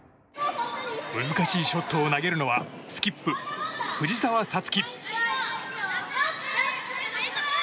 難しいショットを投げるのはスキップ藤澤五月。